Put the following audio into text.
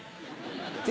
って